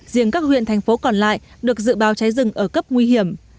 riêng các huyện thành phố còn lại được dự báo cháy rừng ở cấp nguy hiểm